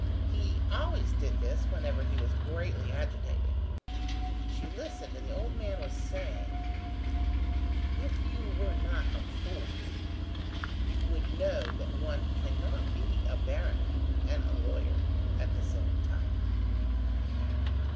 He always did this whenever he was greatly agitated. She listened, and the old man was saying: "If you were not a fool, you would know that one cannot be a baron and a lawyer at the same time."